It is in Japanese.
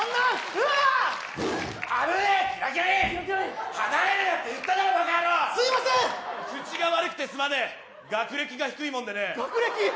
うわああぶねえキラキラリン離れるなって言っただろバカ野郎すいません口が悪くてすまねえ学歴が低いもんでね学歴？